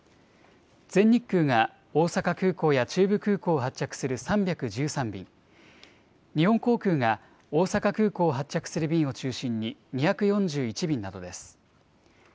全日空が大阪空港や中部空港を発着する３１３便、日本航空が大阪空港を発着する便を中心に２４１便などです。